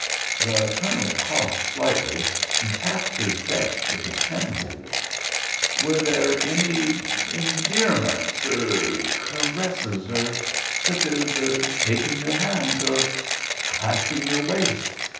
The Colonel coughed slightly, and tapped his desk with his pen holder. "Were there any endearments—er—caresses—er—such as taking your hand—er—clasping your waist?"